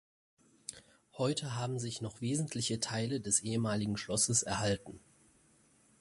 Heute haben sich noch wesentliche Teile des ehemaligen Schlosses erhalten.